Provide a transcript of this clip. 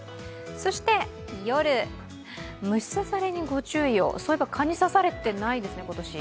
そして夜、虫刺されにご注意をそういえば蚊に刺されていないですね、今年。